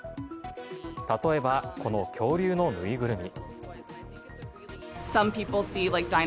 例えばこの恐竜の縫いぐるみ。